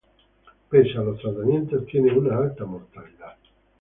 Pese a los tratamientos, tiene una alta mortalidad.